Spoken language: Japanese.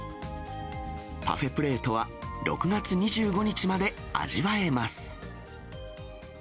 パフェプレートは６月２５日まで味わえます。